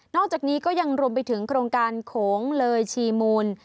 อกจากนี้ก็ยังรวมไปถึงโครงการโขงเลยชีมูล